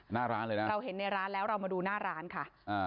หน้าร้านเลยนะเราเห็นในร้านแล้วเรามาดูหน้าร้านค่ะอ่า